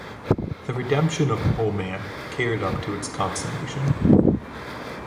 The redemption of the whole man carried up to its consummation.